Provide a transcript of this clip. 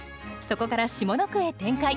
そこから下の句へ展開。